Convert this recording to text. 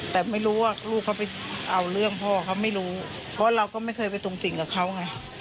แต่ไม่รู้ว่าลูกเขาไปเอาเรื่องพ่อเขาไม่รู้เพราะเราก็ไม่เคยไปตรงติ่งกับเขาไง